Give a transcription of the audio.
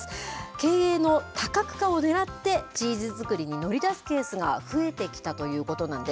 経営の多角化をねらって、チーズ作りに乗り出すケースが増えてきたということなんです。